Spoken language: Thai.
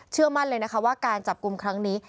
มั่นเลยนะคะว่าการจับกลุ่มครั้งนี้